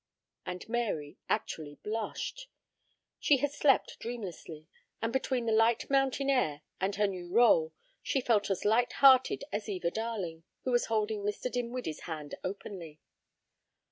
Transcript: And Mary actually blushed. She had slept dreamlessly, and between the light mountain air and her new rôle, she felt as light hearted as Eva Darling, who was holding Mr. Dinwiddie's hand openly.